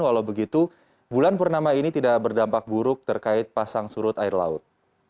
walau begitu bulan purnama ini tidak berdampak buruk terkait pasang surut air laut